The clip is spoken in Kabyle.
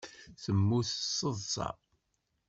Temmut s taḍsa.